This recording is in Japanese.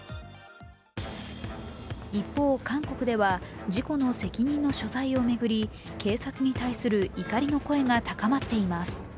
一方、韓国では事故の責任の所在を巡り警察に対する怒りの声が高まっています。